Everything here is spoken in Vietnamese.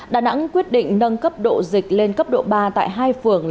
đà nẵng quyết định nâng cấp độ dịch lên cấp độ ba tại hai phường